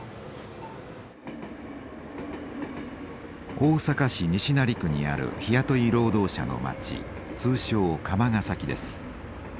大阪市西成区にある日雇い労働者の町通称釜ヶ崎です。